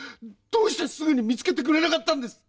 どうしてすぐに見つけてくれなかったんです。